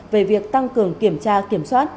về việc tăng cường kiểm tra kiểm soát